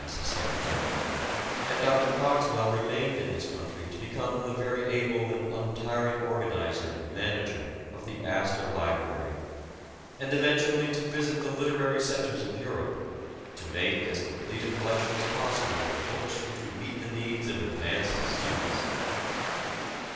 as his secretary , and Dr. Cogswell remained in this country to become the very able and untiring organizer and manager of the Astor Library, and eventually to visit the literary centers of Europe, to make as complete a collection as possible of the books which would meet the needs of advanced students.